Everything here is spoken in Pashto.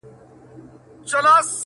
د صبرېدو تعویذ مي خپله په خپل ځان کړی دی.